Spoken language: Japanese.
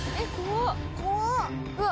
怖っ！